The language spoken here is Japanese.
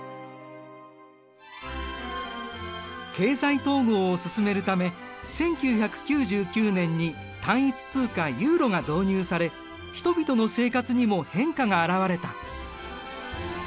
経済統合を進めるため１９９９年に単一通貨ユーロが導入され人々の生活にも変化が現れた。